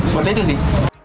seperti itu sih